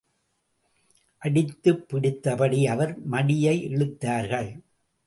அடித்து பிடித்தபடி அவர் மடியை இழுத்தார்கள்.